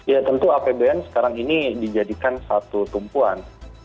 ya tentu apbn sekarang ini dijadikan satu tumpuan